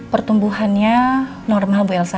pertumbuhannya normal bu elsa